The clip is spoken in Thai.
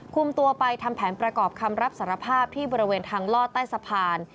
คุมตัวไปทำแผนประกอบคำรับสารภาพที่บริเวณทางลอดใต้สะพาน